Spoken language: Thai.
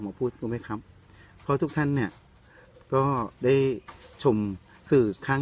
พูดรู้ไหมครับเพราะทุกท่านเนี่ยก็ได้ชมสื่อข้าง